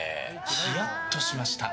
ヒヤッとしました。